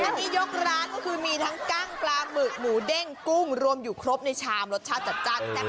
อันนี้ยกร้านก็คือมีทั้งกั้งปลาหมึกหมูเด้งกุ้งรวมอยู่ครบในชามรสชาติจัดจ้าน